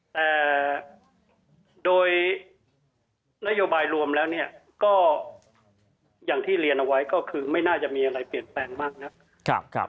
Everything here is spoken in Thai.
แต่โดยนโยบายรวมแล้วเนี่ยก็อย่างที่เรียนเอาไว้ก็คือไม่น่าจะมีอะไรเปลี่ยนแปลงมากนัก